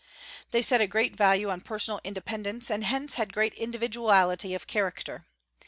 They set a great value on personal independence, and hence had great individuality of character.